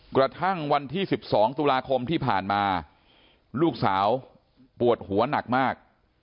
กระทั่งวันที่๑๒ตุลาคมที่ผ่านมาลูกสาวปวดหัวหนักมาก